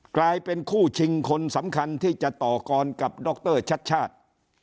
กลายเป็นคู่ชิงคนสำคัญที่จะต่อกรกับดรชัดชาติ